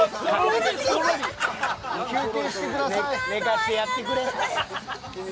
寝かしてやってくれ。